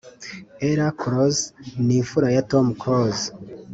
Ella Close ni imfura ya Tom Close